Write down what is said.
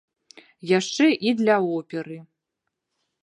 Яшчэ і для оперы!